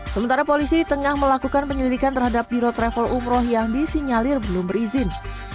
sementara polisi tengah melakukan penyelidikan terhadap biro travel umroh yang disinyalir belum berizin